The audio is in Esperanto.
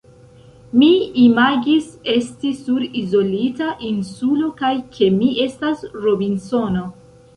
Mi imagis esti sur izolita insulo, kaj ke mi estas Robinsono.